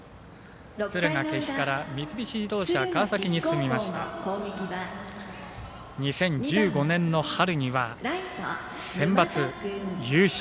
敦賀気比から三菱自動車川崎に進みまして２０１５年の春にはセンバツ優勝。